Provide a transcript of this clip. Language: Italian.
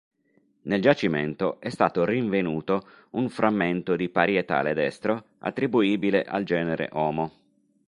Nel giacimento è stato rinvenuto un frammento di parietale destro attribuibile al genere "Homo".